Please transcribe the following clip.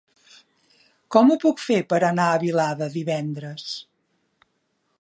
Com ho puc fer per anar a Vilada divendres?